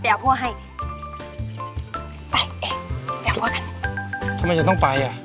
ไปเอกไปเอาพวกกันทำไมฉันต้องไปอ่ะ